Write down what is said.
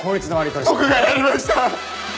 僕がやりました！